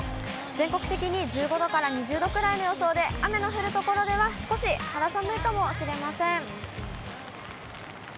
全国的に１５度から２０度くらいの予想で、雨の降る所では、少し肌寒いかもしれません。